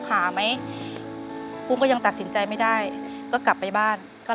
เปลี่ยนเพลงเพลงเก่งของคุณและข้ามผิดได้๑คำ